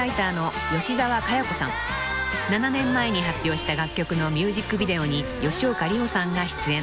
［７年前に発表した楽曲のミュージックビデオに吉岡里帆さんが出演］